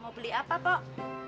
mau beli apa pok